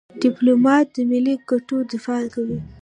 ډيپلومات د ملي ګټو دفاع کوي.